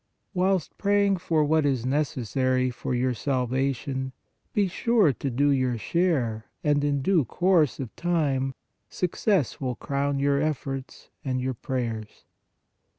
Whilst praying for what is necessary for your salva tion, be sure to do your share and in due course of time success will crown your efforts and your pray ers."